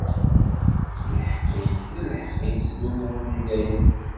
Lḥeqq-ik, d lḥeqq yettdumun i dayem.